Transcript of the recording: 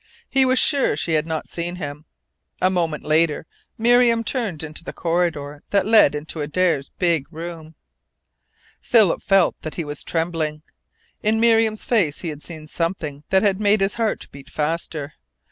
He was sure she had not seen him. A moment later Miriam turned into the corridor that led into Adare's big room. Philip felt that he was trembling. In Miriam's face he had seen something that had made his heart beat faster.